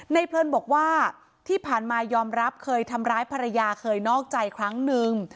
เพลินบอกว่าที่ผ่านมายอมรับเคยทำร้ายภรรยาเคยนอกใจครั้งนึง